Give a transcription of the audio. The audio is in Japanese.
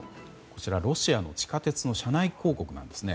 こちら、ロシアの地下鉄の車内広告です。